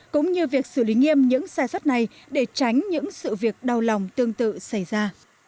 cũng như việc xử lý nghiêm những sai sót này để tránh những sự việc đau lòng tương tự xảy ra